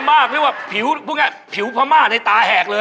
หรือว่าผิวพระม่าดในตาแหกเลย